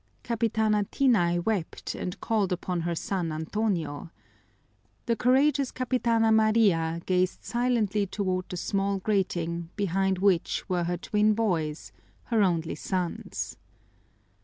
Capitana Tinay wept and called upon her son Antonio. The courageous Capitana Maria gazed silently toward the small grating behind which were her twin boys, her only sons.